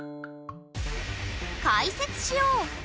解説しよう！